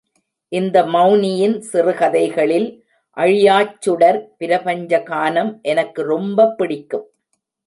இந்த மெளனியின் சிறுகதைகளில் அழியாச்சுடர் பிரபஞ்சகானம் எனக்கு ரொம்ப பிடிக்கும்.